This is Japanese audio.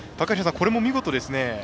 これも見事ですね。